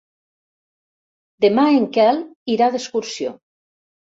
Demà en Quel irà d'excursió.